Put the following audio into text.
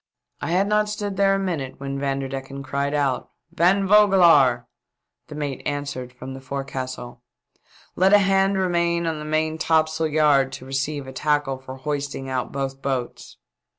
I had not stood there a minute when Van derdecken cried out, "Van Vogelaar!" The mate answered from the forecastle. •' Let a hand remain on the main topsail yard to receive a tackle for hoisting out both boats."